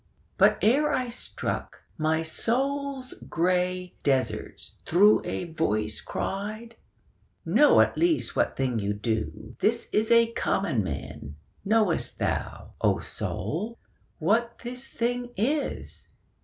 But ere I struck, my soul's grey deserts through A voice cried, 'Know at least what thing you do.' 'This is a common man: knowest thou, O soul, What this thing is?